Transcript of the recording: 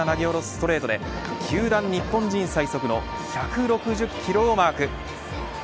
ストレートで球団日本人最速の１６０キロをマーク。